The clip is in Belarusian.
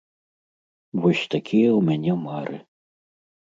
Вось такія ў мяне мары.